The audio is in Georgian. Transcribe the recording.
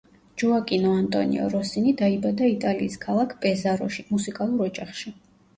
ჯოაკინო ანტონიო როსინი დაიბადა იტალიის ქალაქ პეზაროში, მუსიკალურ ოჯახში.